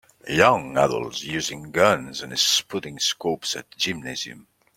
Young adults using guns and spotting scopes at gymnasium.